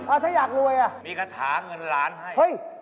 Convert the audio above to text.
อ่าฉันอยากรวยอ่ะมีกระถาเงินล้านให้